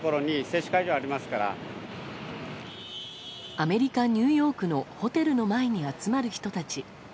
アメリカ・ニューヨークのホテルの前に集まる人たち。